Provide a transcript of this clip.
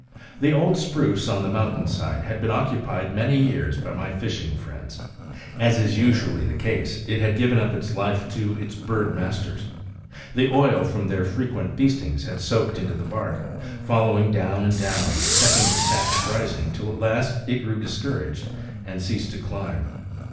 The old spruce on the mountain side had been occupied many years by my fishing friends. As is usually the case, it had given up its life to its bird masters. The oil from their frequent feastings had soaked into the bark, following down and down, checking the sap's rising, till at last it grew discouraged and ceased to climb.